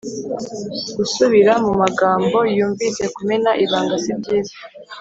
gusubira mu magambo wumvise no kumena ibanga sibyiza